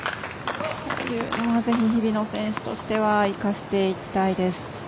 ぜひ、日比野選手としては生かしていきたいです。